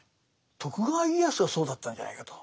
徳川家康がそうだったんじゃないかと。